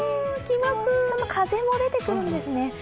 ちょっと風も出てくるんですね。